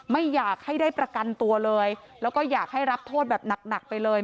ไม่อยากให้ได้ประกันตัวเลยแล้วก็อยากให้รับโทษแบบหนักไปเลย